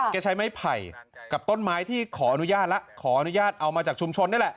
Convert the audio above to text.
ใช้ไม้ไผ่กับต้นไม้ที่ขออนุญาตแล้วขออนุญาตเอามาจากชุมชนนี่แหละ